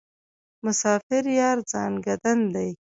مسافر یار ځانکدن دی.